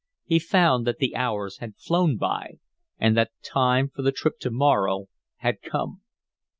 He found that the hours had flown by, and that the time for the trip to Morro had come.